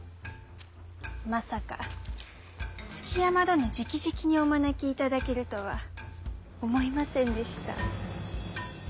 まさか築山殿じきじきにお招きいただけるとは思いませんでした。